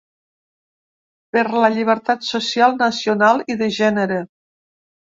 Per la llibertat social, nacional i de gènere.